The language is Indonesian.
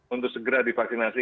untuk segera divaksinasi